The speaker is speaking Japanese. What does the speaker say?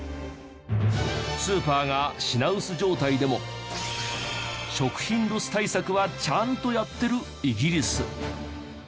スーパーが品薄状態でも食品ロス対策はちゃんとやってるイギリス。